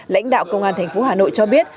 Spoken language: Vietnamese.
lãnh đạo công an thành phố hà nội cho biết